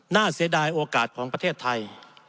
เสียดายโอกาสของประเทศไทย